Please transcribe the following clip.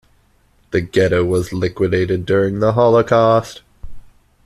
The ghetto was liquidated during the Holocaust.